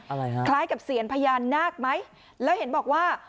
อะไรฮะคล้ายกับเซียนพญานาคไหมแล้วเห็นบอกว่า